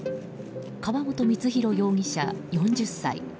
川本満博容疑者、４０歳。